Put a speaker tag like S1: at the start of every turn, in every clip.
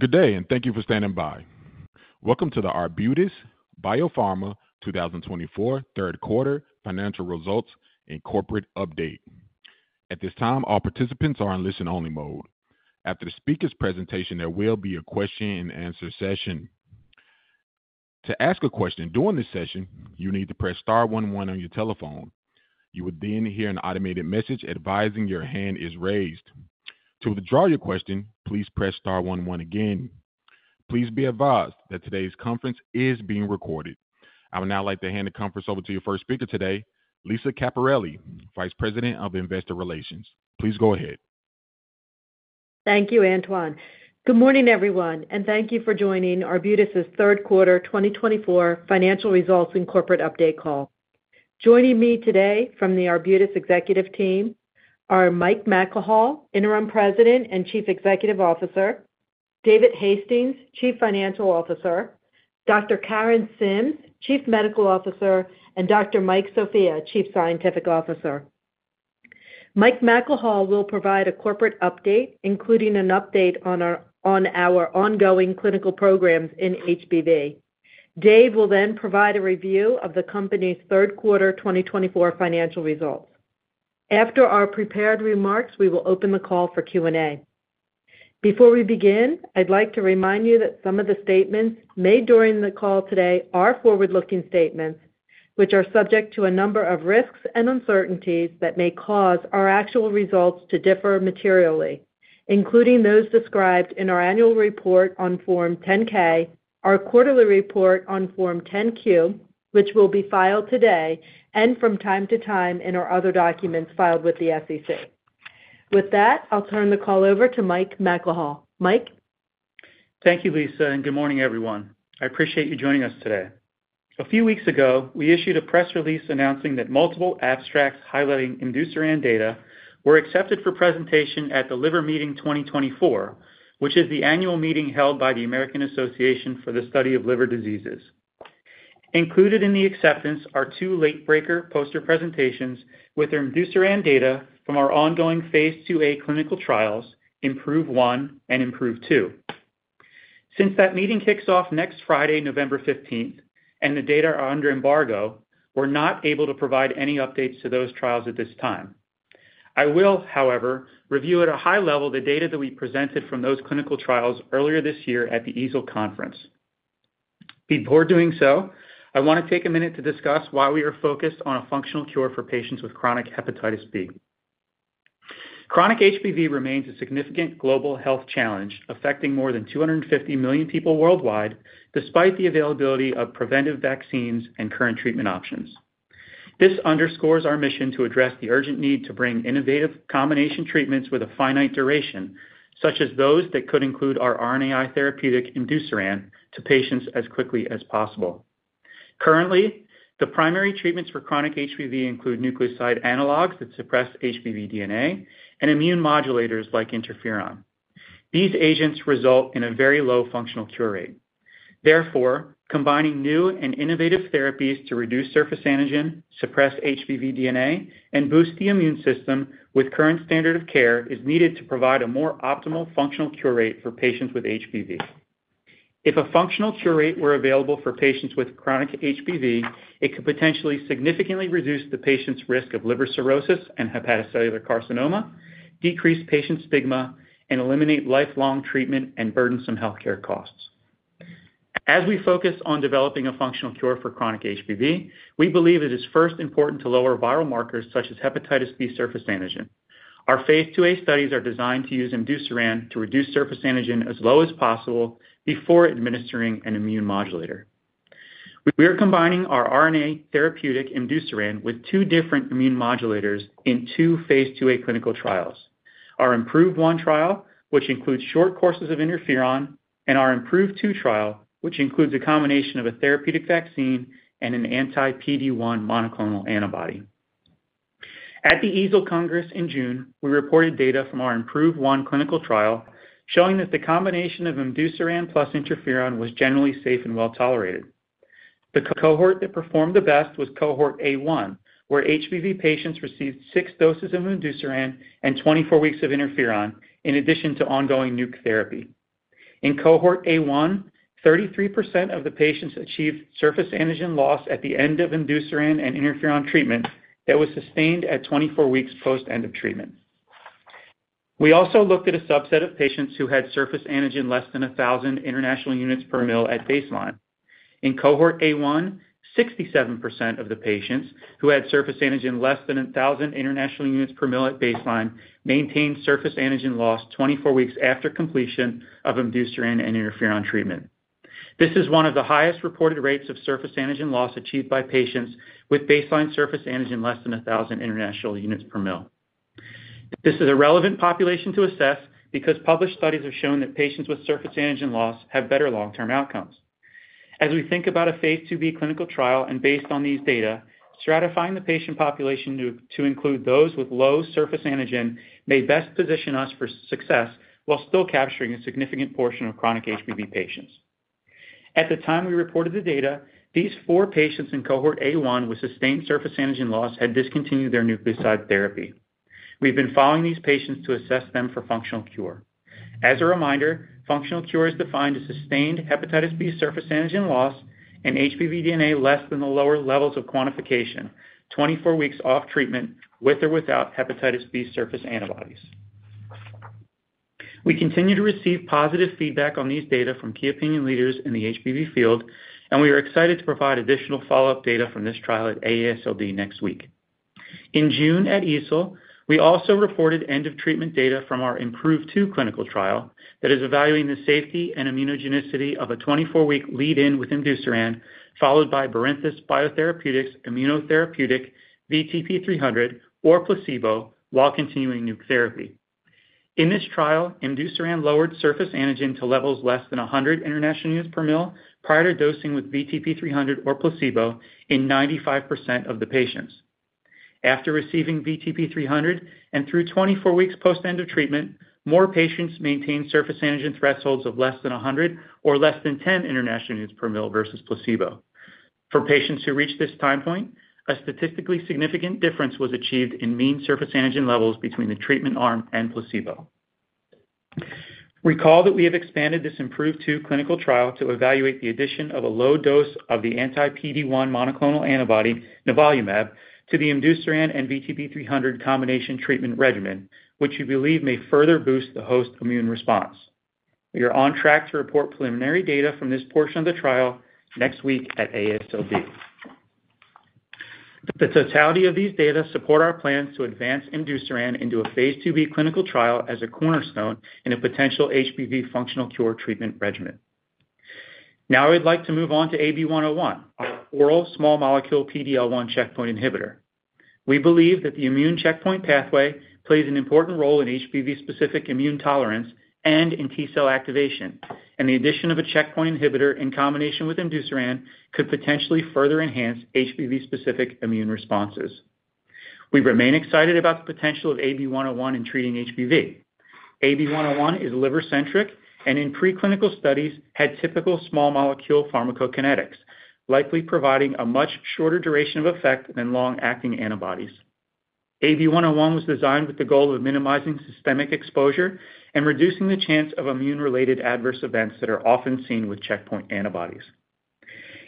S1: Good day, and thank you for standing by. Welcome to the Arbutus Biopharma 2024 Q3 financial results and corporate update. At this time, all participants are in listen-only mode. After the speaker's presentation, there will be a Q&A. To ask a question during this session, you need to press Star one, one on your telephone. You will then hear an automated message advising your hand is raised. To withdraw your question, please press Star one, one again. Please be advised that today's conference is being recorded. I would now like to hand the conference over to your first speaker today, Lisa Caperelli, Vice President of Investor Relations. Please go ahead.
S2: Thank you, Antoine. Good morning, everyone, and thank you for joining Arbutus' Q3 2024 financial results and corporate update call. Joining me today from the Arbutus executive team are Mike McElhaugh, Interim President and Chief Executive Officer, David Hastings, Chief Financial Officer, Dr. Karen Sims, Chief Medical Officer, and Dr. Mike Sofia, Chief Scientific Officer. Mike McElhaugh will provide a corporate update, including an update on our ongoing clinical programs in HBV. David Hastings will then provide a review of the company's Q3 2024 financial results. After our prepared remarks, we will open the call for Q&A. Before we begin, I'd like to remind you that some of the statements made during the call today are forward-looking statements, which are subject to a number of risks and uncertainties that may cause our actual results to differ materially, including those described in our annual report on Form 10-K, our quarterly report on Form 10-Q, which will be filed today, and from time to time in our other documents filed with the SEC. With that, I'll turn the call over to Mike McElhaugh. Mike McElhaugh.
S3: Thank you, Lisa Caperelli, and good morning, everyone. I appreciate you joining us today. A few weeks ago, we issued a press release announcing that multiple abstracts highlighting imdusiran data were accepted for presentation at The Liver Meeting 2024, which is the annual meeting held by the American Association for the Study of Liver Diseases. Included in the acceptance are two late-breaker poster presentations with imdusiran data from our ongoing phase II-A clinical trials, IM-PROVE I and IM-PROVE II. Since that meeting kicks off next Friday, November 15th, and the data are under embargo, we're not able to provide any updates to those trials at this time. I will, however, review at a high level the data that we presented from those clinical trials earlier this year at the EASL Congress. Before doing so, I want to take a minute to discuss why we are focused on a functional cure for patients with chronic hepatitis B. Chronic HBV remains a significant global health challenge affecting more than 250 million people worldwide, despite the availability of preventive vaccines and current treatment options. This underscores our mission to address the urgent need to bring innovative combination treatments with a finite duration, such as those that could include our RNAi therapeutic, imdusiran, and to patients as quickly as possible. Currently, the primary treatments for chronic HBV include nucleoside analogs that suppress HBV DNA and immune modulators like interferon. These agents result in a very low functional cure rate. Therefore, combining new and innovative therapies to reduce surface antigen, suppress HBV DNA, and boost the immune system with current standard of care is needed to provide a more optimal functional cure rate for patients with HBV. If a functional cure rate were available for patients with chronic HBV, it could potentially significantly reduce the patient's risk of liver cirrhosis and hepatocellular carcinoma, decrease patient stigma, and eliminate lifelong treatment and burdensome healthcare costs. As we focus on developing a functional cure for chronic HBV, we believe it is first important to lower viral markers such as hepatitis B surface antigen. Our phase II-A studies are designed to use imdusiran to reduce surface antigen as low as possible before administering an immune modulator. We are combining our RNA therapeutic imdusiran with two different immune modulators in two phase II-A clinical trials: our IM-PROVE I trial, which includes short courses of interferon, and our IM-PROVE II trial, which includes a combination of a therapeutic vaccine and an anti-PD-1 monoclonal antibody. At the EASL Congress in June, we reported data from our IM-PROVE I clinical trial showing that the combination of imdusiran plus interferon was generally safe and well tolerated. The cohort that performed the best was cohort A1, where HBV patients received six doses of imdusiran and 24 weeks of interferon, in addition to ongoing Nuc therapy. In cohort A1, 33% of the patients achieved surface antigen loss at the end of imdusiran and interferon treatment that was sustained at 24 weeks post-end of treatment. We also looked at a subset of patients who had surface antigen less than 1,000 international units per ml at baseline. In cohort A1, 67% of the patients who had surface antigen less than 1,000 international units per ml at baseline maintained surface antigen loss 24 weeks after completion of imdusiran and interferon treatment. This is one of the highest reported rates of surface antigen loss achieved by patients with baseline surface antigen less than 1,000 international units per ml. This is a relevant population to assess because published studies have shown that patients with surface antigen loss have better long-term outcomes. As we think about a phase II-B clinical trial and based on these data, stratifying the patient population to include those with low surface antigen may best position us for success while still capturing a significant portion of chronic HBV patients. At the time we reported the data, these four patients in cohort A1 with sustained surface antigen loss had discontinued their nucleoside therapy. We've been following these patients to assess them for functional cure. As a reminder, functional cure is defined as sustained hepatitis B surface antigen loss and HBV DNA less than the lower limit of quantification, 24 weeks off treatment with or without hepatitis B surface antibodies. We continue to receive positive feedback on these data from key opinion leaders in the HBV field, and we are excited to provide additional follow-up data from this trial at AASLD next week. In June at EASL, we also reported end-of-treatment data from our IM-PROVE II clinical trial that is evaluating the safety and immunogenicity of a 24-week lead-in with imdusiran and followed by Barinthus Biotherapeutics immunotherapeutic VTP-300 or placebo while continuing Nuc therapy. In this trial, imdusiran and interferon lowered surface antigen to levels less than 100 international units per ml prior to dosing with VTP-300 or placebo in 95% of the patients. After receiving VTP-300 and through 24 weeks post-end of treatment, more patients maintained surface antigen thresholds of less than 100 or less than 10 international units per ml versus placebo. For patients who reached this time point, a statistically significant difference was achieved in mean surface antigen levels between the treatment arm and placebo. Recall that we have expanded this IM-PROVE II clinical trial to evaluate the addition of a low dose of the anti-PD-1 monoclonal antibody, nivolumab, to the imdusiran and VTP-300 combination treatment regimen, which we believe may further boost the host immune response. We are on track to report preliminary data from this portion of the trial next week at AASLD. The totality of these data support our plans to advance imdusiran into a phase II-B clinical trial as a cornerstone in a potential HBV functional cure treatment regimen. Now I would like to move on to AB-101, our oral small molecule PD-L1 checkpoint inhibitor. We believe that the immune checkpoint pathway plays an important role in HBV-specific immune tolerance and in T-cell activation, and the addition of a checkpoint inhibitor in combination with imdusiran could potentially further enhance HBV-specific immune responses. We remain excited about the potential of AB-101 in treating HBV. AB-101 is liver-centric and in preclinical studies had typical small molecule pharmacokinetics, likely providing a much shorter duration of effect than long-acting antibodies. AB-101 was designed with the goal of minimizing systemic exposure and reducing the chance of immune-related adverse events that are often seen with checkpoint antibodies.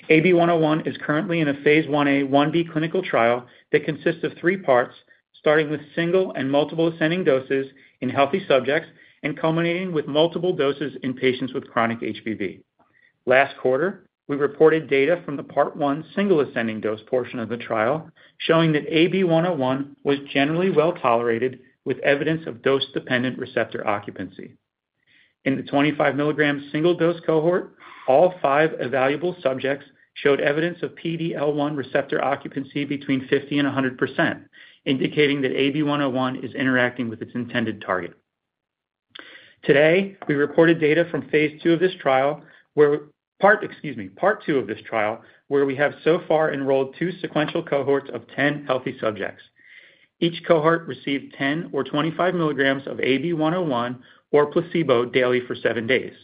S3: AB-101 is currently in a phase I-A/I-B clinical trial that consists of three parts, starting with single and multiple ascending doses in healthy subjects and culminating with multiple doses in patients with chronic HBV. Last quarter, we reported data from the Part 1 single ascending dose portion of the trial showing that AB-101 was generally well tolerated with evidence of dose-dependent receptor occupancy. In the 25 mg single dose cohort, all five evaluable subjects showed evidence of PD-L1 receptor occupancy between 50%-100%, indicating that AB-101 is interacting with its intended target. Today, we reported data from phase II of this trial, Part 2, where we have so far enrolled two sequential cohorts of 10 healthy subjects. Each cohort received 10 mg or 25 mg of AB-101 or placebo daily for seven days.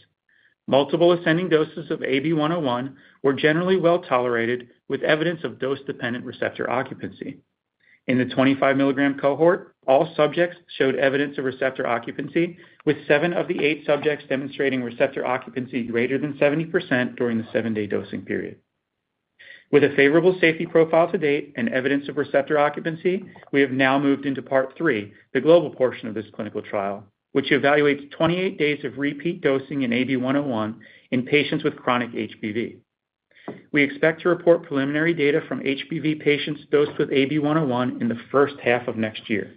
S3: Multiple ascending doses of AB-101 were generally well tolerated with evidence of dose-dependent receptor occupancy. In the 25-mg cohort, all subjects showed evidence of receptor occupancy, with seven of the eight subjects demonstrating receptor occupancy greater than 70% during the seven-day dosing period. With a favorable safety profile to date and evidence of receptor occupancy, we have now moved into Part 3, the global portion of this clinical trial, which evaluates 28 days of repeat dosing in AB-101 in patients with chronic HBV. We expect to report preliminary data from HBV patients dosed with AB-101 in the first half of next year.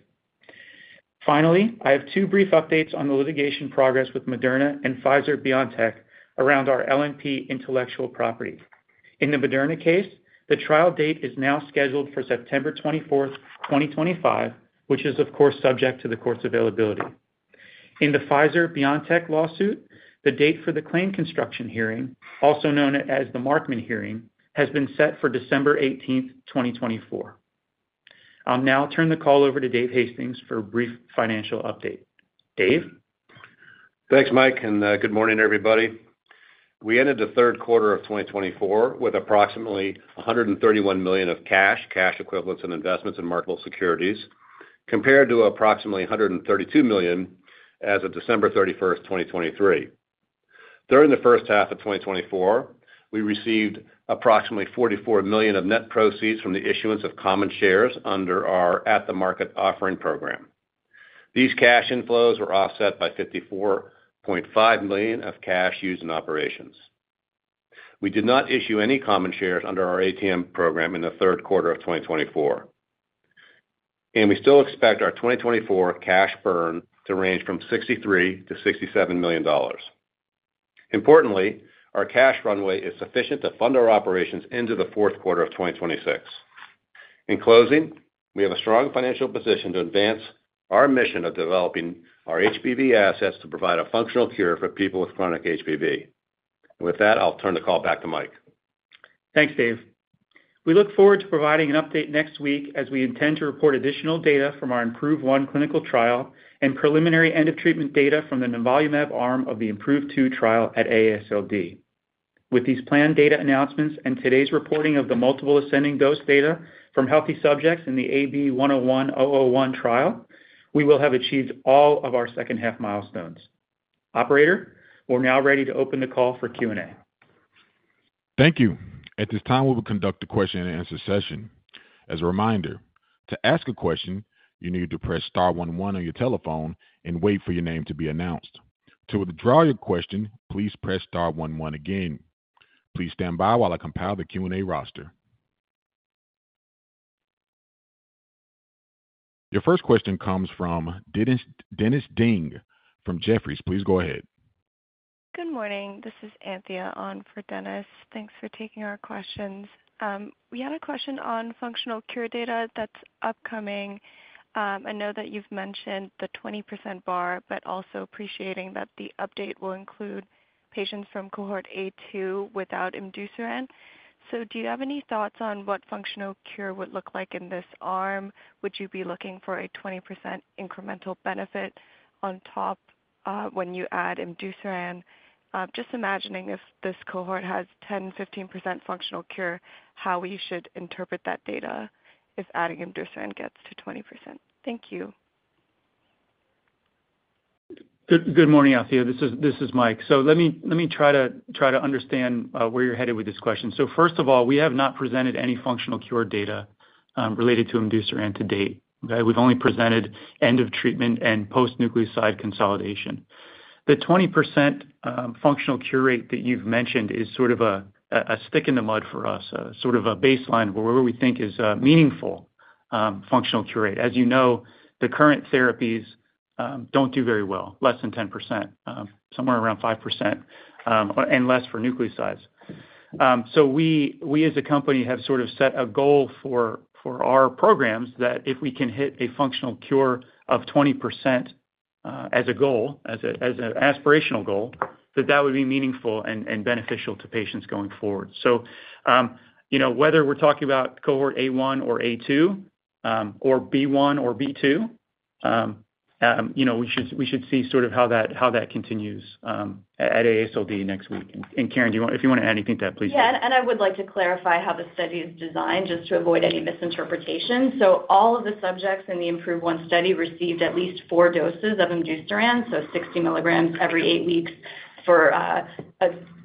S3: Finally, I have two brief updates on the litigation progress with Moderna and Pfizer-BioNTech around our LNP intellectual property. In the Moderna case, the trial date is now scheduled for September 24th, 2025, which is, of course, subject to the court's availability. In the Pfizer-BioNTech lawsuit, the date for the claim construction hearing, also known as the Markman Delete hearing, has been set for December 18th, 2024. I'll now turn the call over to Dave Hastings for a brief financial update. Dave Hastings.
S4: Thanks, Mike McElhaugh, and good morning, everybody. We ended the Q3 of 2024 with approximately $131 million of cash, cash equivalents, and investments in marketable securities, compared to approximately $132 million as of December 31st, 2023. During the first-half of 2024, we received approximately $44 million of net proceeds from the issuance of common shares under our at-the-market offering program. These cash inflows were offset by $54.5 million of cash used in operations. We did not issue any common shares under our ATM program in the Q3 of 2024, and we still expect our 2024 cash burn to range from $63-$67 million. Importantly, our cash runway is sufficient to fund our operations into the Q4 of 2026. In closing, we have a strong financial position to advance our mission of developing our HBV assets to provide a functional cure for people with chronic HBV. With that, I'll turn the call back to Mike McElhaugh.
S3: Thanks, Dave Hastings. We look forward to providing an update next week as we intend to report additional data from our IM-PROVE I clinical trial and preliminary end-of-treatment data from the nivolumab arm of the IM-PROVE II trial at AASLD. With these planned data announcements and today's reporting of the multiple ascending dose data from healthy subjects in the AB-101-001 trial, we will have achieved all of our second-half milestones. Operator, we're now ready to open the call for Q&A.
S1: Thank you. At this time, we will conduct a Q&A session. As a reminder, to ask a question, you need to press star one, one on your telephone and wait for your name to be announced. To withdraw your question, please press star one, one again. Please stand by while I compile the Q&A roster. Your first question comes from Dennis Ding from Jefferies. Please go ahead.
S5: Good morning. This is Anthea Theresa Li on for Dennis Ding. Thanks for taking our questions. We had a question on functional cure data that's upcoming. I know that you've mentioned the 20% bar, but also appreciating that the update will include patients from cohort A2 without imdusiran. So do you have any thoughts on what functional cure would look like in this arm? Would you be looking for a 20% incremental benefit on top when you add imdusiran? Just imagining if this cohort has 10%-15% functional cure, how we should interpret that data if adding imdusiran gets to 20%. Thank you.
S3: Good morning, Anthea Theresa Li. This is Mike McElhaugh. So let me try to understand where you're headed with this question. So first of all, we have not presented any functional cure data related to imdusiran to date. We've only presented end-of-treatment and post-nucleoside consolidation. The 20% functional cure rate that you've mentioned is sort of a stick in the mud for us, sort of a baseline for where we think is a meaningful functional cure rate. As you know, the current therapies don't do very well, less than 10%, somewhere around 5%, and less for nucleosides. So we, as a company, have sort of set a goal for our programs that if we can hit a functional cure of 20% as a goal, as an aspirational goal, that that would be meaningful and beneficial to patients going forward. So whether we're talking about cohort A1 or A2 or B1 or B2, we should see sort of how that continues at AASLD next week. And Karen Sims, if you want to add anything to that, please.
S6: Yeah. And I would like to clarify how the study is designed just to avoid any misinterpretation. So all of the subjects in the IM-PROVE I study received at least four doses of imdusiran and, so 60 mg every eight weeks for a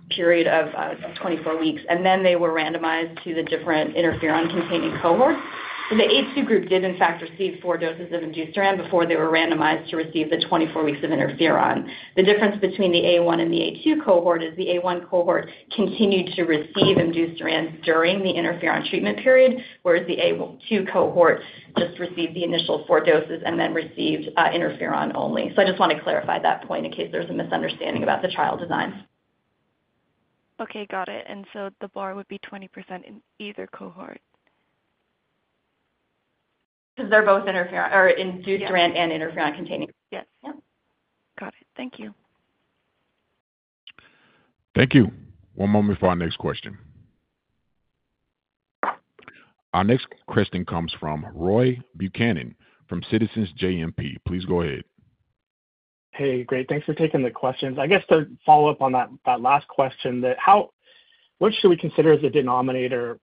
S6: period of 24 weeks. And then they were randomized to the different interferon-containing cohorts. So the cohort A2 group did, in fact, receive four doses of imdusiran and before they were randomized to receive the 24 weeks of interferon. The difference between the cohort A1 and the A2 cohort is the A1 cohort continued to receive imdusiran and during the interferon treatment period, whereas the A2 cohort just received the initial four doses and then received interferon only. So I just want to clarify that point in case there's a misunderstanding about the trial design.
S5: Okay. Got it. And so the bar would be 20% in either cohort?
S6: Because they're both inducer and interferon-containing.
S5: Yes. Yep. Got it. Thank you.
S1: Thank you. One moment for our next question. Our next question comes from Roy Buchanan from Citizens JMP. Please go ahead.
S7: Hey, great. Thanks for taking the questions. I guess to follow up on that last question, which should we consider as a denominator?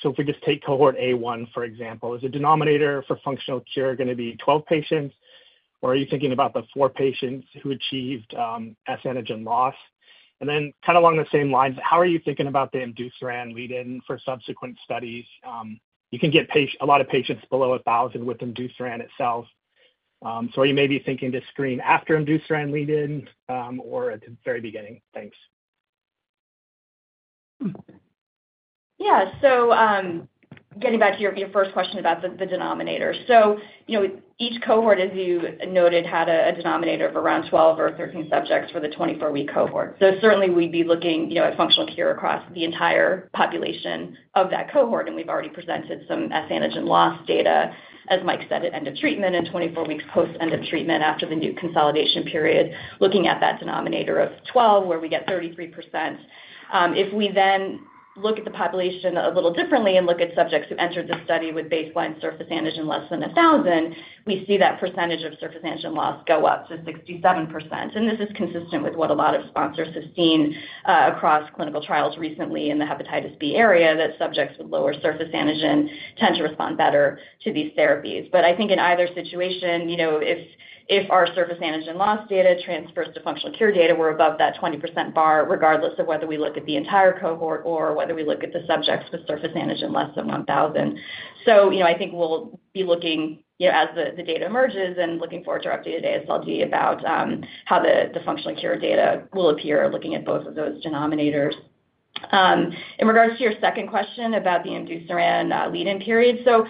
S7: So if we just take cohort A1, for example, is the denominator for functional cure going to be 12 patients, or are you thinking about the four patients who achieved HBsAg loss? And then kind of along the same lines, how are you thinking about the imdusiran and lead-in for subsequent studies? You can get a lot of patients below 1,000 with imdusiran itself. So are you maybe thinking to screen after imdusiran and lead-in or at the very beginning? Thanks.
S6: Yeah. So getting back to your first question about the denominator, so each cohort, as you noted, had a denominator of around 12 or 13 subjects for the 24-week cohort. So certainly, we'd be looking at functional cure across the entire population of that cohort, and we've already presented some S-antigen loss data, as Mike McElhaugh said, at end-of-treatment and 24 weeks post-end-of-treatment after the new consolidation period, looking at that denominator of 12, where we get 33%. If we then look at the population a little differently and look at subjects who entered the study with baseline surface antigen less than 1,000, we see that percentage of surface antigen loss go up to 67%. And this is consistent with what a lot of sponsors have seen across clinical trials recently in the Hepatitis B area that subjects with lower surface antigen tend to respond better to these therapies. But I think in either situation, if our surface antigen loss data transfers to functional cure data, we're above that 20% bar, regardless of whether we look at the entire cohort or whether we look at the subjects with surface antigen less than 1,000. So I think we'll be looking, as the data emerges, and looking forward to our updated AASLD about how the functional cure data will appear, looking at both of those denominators. In regards to your second question about the imdusiran and lead-in period, so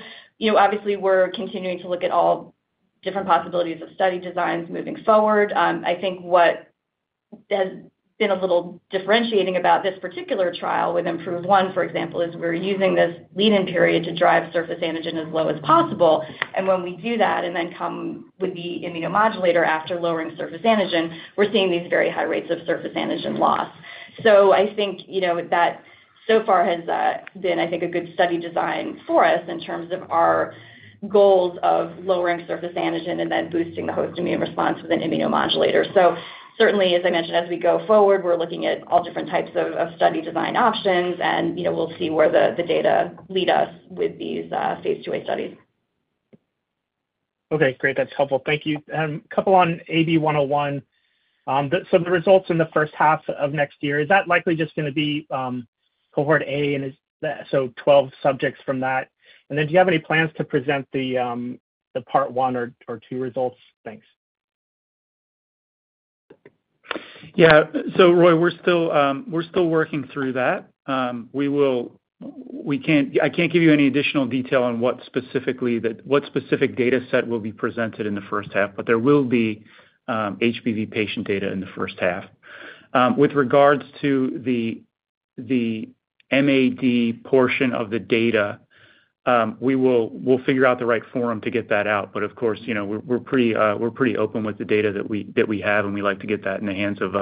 S6: obviously, we're continuing to look at all different possibilities of study designs moving forward. I think what has been a little differentiating about this particular trial with IM-PROVE I, for example, is we're using this lead-in period to drive surface antigen as low as possible. When we do that and then come with the immunomodulator after lowering surface antigen, we're seeing these very high rates of surface antigen loss. So I think that so far has been, I think, a good study design for us in terms of our goals of lowering surface antigen and then boosting the host immune response with an immunomodulator. So certainly, as I mentioned, as we go forward, we're looking at all different types of study design options, and we'll see where the data lead us with these phase two studies.
S7: Okay. Great. That's helpful. Thank you. A couple on AB-101. So the results in the first half of next year, is that likely just going to be cohort A and so 12 subjects from that? And then do you have any plans to present the Part 1 or 2 results? Thanks.
S3: Yeah. So Roy Buchanan, we're still working through that. I can't give you any additional detail on what specific data set will be presented in the first half, but there will be HBV patient data in the first half. With regards to the MAD portion of the data, we'll figure out the right forum to get that out. But of course, we're pretty open with the data that we have, and we like to get that in the hands of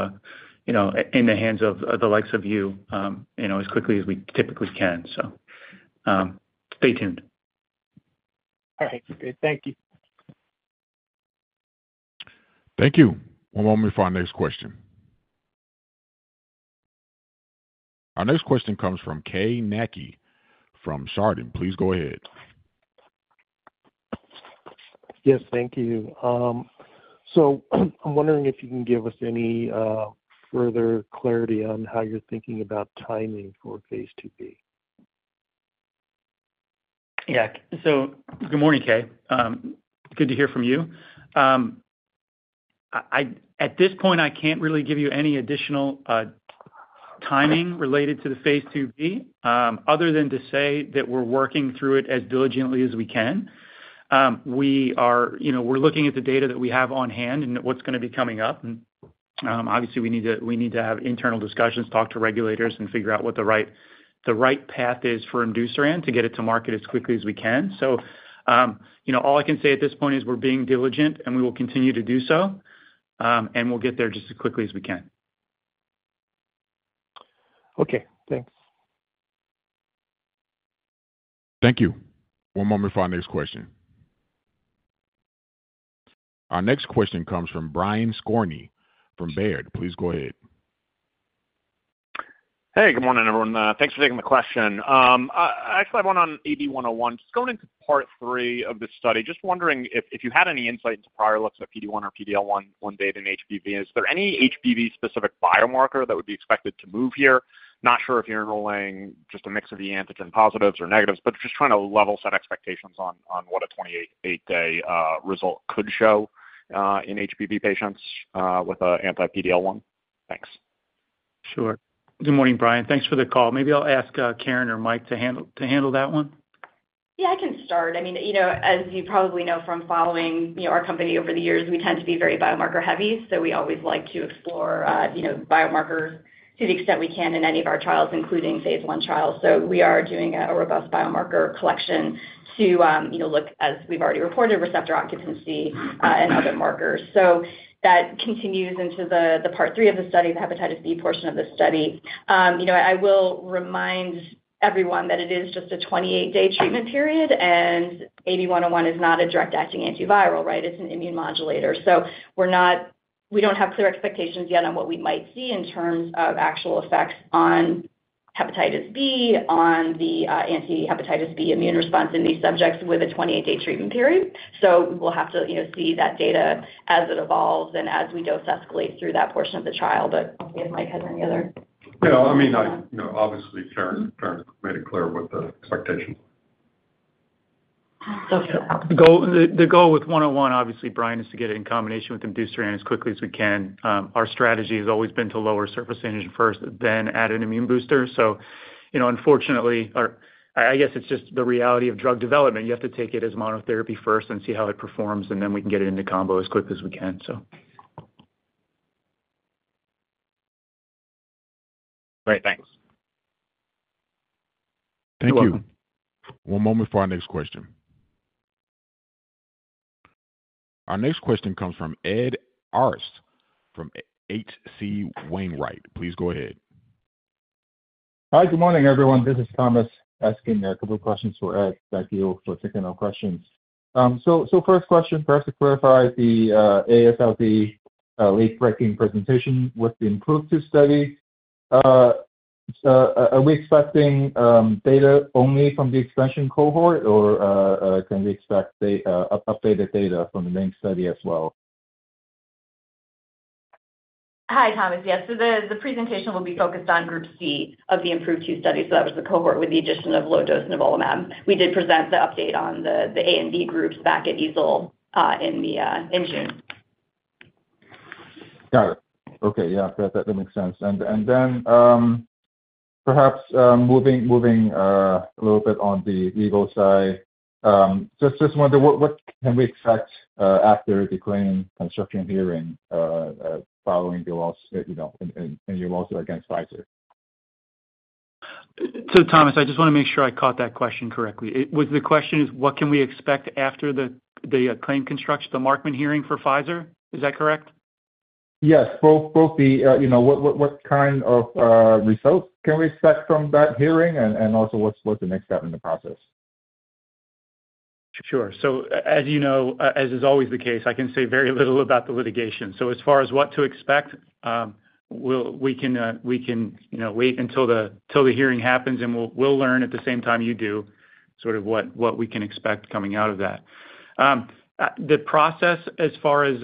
S3: the likes of you as quickly as we typically can. So stay tuned.
S7: All right. Great. Thank you.
S1: Thank you. One moment for our next question. Our next question comes from Keay Nakae from Chardan. Please go ahead.
S8: Yes. Thank you. So I'm wondering if you can give us any further clarity on how you're thinking about timing for phase II-B?
S3: Yeah. So, good morning, Keay Nakae. Good to hear from you. At this point, I can't really give you any additional timing related to the phase II-B other than to say that we're working through it as diligently as we can. We're looking at the data that we have on hand and what's going to be coming up. And obviously, we need to have internal discussions, talk to regulators, and figure out what the right path is for imdusiran and to get it to market as quickly as we can. So all I can say at this point is we're being diligent, and we will continue to do so, and we'll get there just as quickly as we can.
S8: Okay. Thanks.
S1: Thank you. One moment for our next question. Our next question comes from Brian Skorney from Baird. Please go ahead.
S9: Hey. Good morning, everyone. Thanks for taking the question. Actually, I want on AB-101. Just going into part three of this study, just wondering if you had any insight into prior looks at PD-1 or PD-1 data in HBV. Is there any HBV-specific biomarker that would be expected to move here? Not sure if you're enrolling just a mix of the antigen positives or negatives, but just trying to level set expectations on what a 28 day result could show in HBV patients with an anti-PD-1. Thanks.
S3: Sure. Good morning, Brian Skorney Thanks for the call. Maybe I'll ask Karen Sims or Mike Sofia to handle that one.
S6: Yeah. I can start. I mean, as you probably know from following our company over the years, we tend to be very biomarker-heavy. So we always like to explore biomarkers to the extent we can in any of our trials, including phase 1 trials. So we are doing a robust biomarker collection to look, as we've already reported, receptor occupancy and other markers. So that continues into the part three of the study, the hepatitis B portion of the study. I will remind everyone that it is just a 28 day treatment period, and AB-101 is not a direct-acting antiviral, right? It's an immune modulator. So we don't have clear expectations yet on what we might see in terms of actual effects on hepatitis B, on the anti-hepatitis B immune response in these subjects with a 28-day treatment period. So we will have to see that data as it evolves and as we dose escalate through that portion of the trial. But I don't see if Mike Sofia has any other.
S10: No, I mean, obviously, Karen Sims made it clear what the expectations.
S3: So the goal with AB-101, obviously, Brian Skorney, is to get it in combination with imdusiran and as quickly as we can. Our strategy has always been to lower surface antigen first, then add an immune booster. So unfortunately, I guess it's just the reality of drug development. You have to take it as monotherapy first and see how it performs, and then we can get it into combo as quick as we can, so.
S9: Great. Thanks.
S1: Thank you. One moment for our next question. Our next question comes from Ed Arce from H.C. Wainwright. Please go ahead.
S11: Hi. Good morning, everyone. This is Thomas Yip asking a couple of questions for Ed Arce. Thank you for taking our questions. So first question, for us to clarify the AASLD late-breaking presentation with the IM-PROVE Study, are we expecting data only from the expansion cohort, or can we expect updated data from the main study as well?
S6: Hi, Thomas Yip. Yes. So the presentation will be focused on group C of the IM-PROVE Study. So that was the cohort with the addition of low-dose nivolumab. We did present the update on the A and B groups back at EASL in June.
S11: Got it. Okay. Yeah. That makes sense. And then perhaps moving a little bit on the legal side, just wonder what can we expect after the claim construction hearing following the lawsuit against Pfizer?
S3: So Thomas Yip, I just want to make sure I caught that question correctly. The question is, what can we expect after the claim construction, the Markman Delete hearing for Pfizer? Is that correct?
S11: Yes. Both, what kind of results can we expect from that hearing, and also what's the next step in the process?
S3: Sure. So as you know, as is always the case, I can say very little about the litigation. So as far as what to expect, we can wait until the hearing happens, and we'll learn at the same time you do sort of what we can expect coming out of that. The process, as far as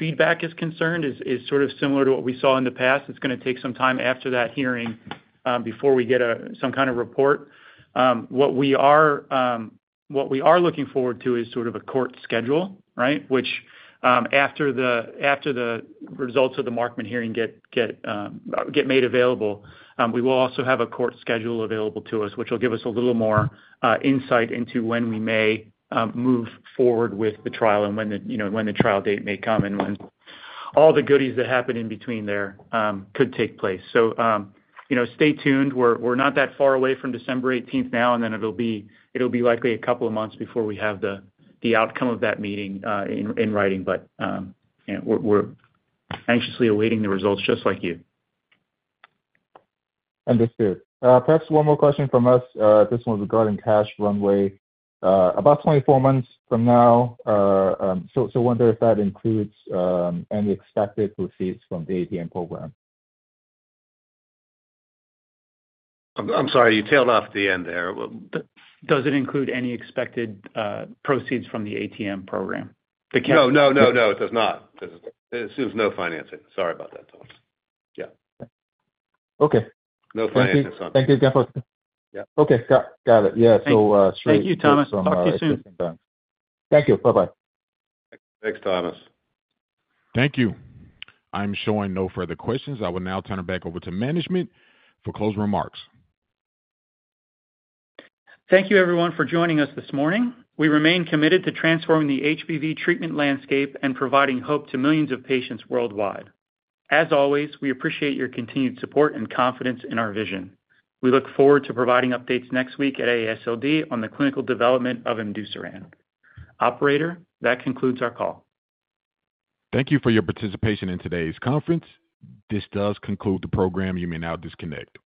S3: feedback is concerned, is sort of similar to what we saw in the past. It's going to take some time after that hearing before we get some kind of report. What we are looking forward to is sort of a court schedule, right, which, after the results of the Markman Delete hearing get made available, we will also have a court schedule available to us, which will give us a little more insight into when we may move forward with the trial, when the trial date may come, and when all the goodies that happen in between there could take place, so stay tuned. We're not that far away from December 18th now, and then it'll be likely a couple of months before we have the outcome of that meeting in writing, but we're anxiously awaiting the results, just like you.
S11: Understood. Perhaps one more question from us. This one's regarding cash runway. About 24 months from now, so I wonder if that includes any expected proceeds from the ATM program.
S3: I'm sorry. You tailed off at the end there. Does it include any expected proceeds from the ATM program? The cash?
S11: No, no, no, no. It does not. It assumes no financing. Sorry about that, Thomas. Yeah. Okay. No financing. Thank you. Thank you again for.
S3: Yeah. Okay. Got it. Yeah. So straight.
S4: Thank you, Thomas Yip. Talk to you soon.
S11: Thank you. Bye-bye.
S3: Thanks, Thomas.
S1: Thank you. I'm showing no further questions. I will now turn it back over to management for closing remarks.
S3: Thank you, everyone, for joining us this morning. We remain committed to transforming the HBV treatment landscape and providing hope to millions of patients worldwide. As always, we appreciate your continued support and confidence in our vision. We look forward to providing updates next week at AASLD on the clinical development of imdusiran. Operator, that concludes our call.
S1: Thank you for your participation in today's conference. This does conclude the program. You may now disconnect.